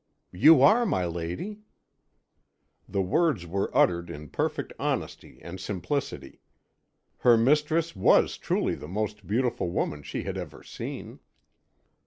"You are, my lady." The words were uttered in perfect honesty and simplicity. Her mistress was truly the most beautiful woman she had ever seen.